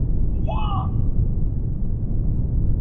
名誉资深大律师是否大律师？